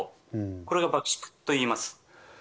これを爆縮といいます。